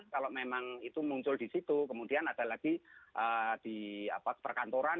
kalau memang itu muncul di situ kemudian ada lagi di perkantoran